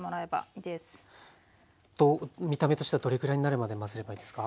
見た目としてはどれぐらいになるまで混ぜればいいですか？